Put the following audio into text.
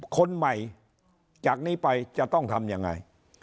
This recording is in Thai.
คนใหม่จากนี้ไปจะต้องทำยังไง